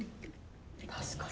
確かに。